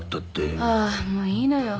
ああもういいのよ。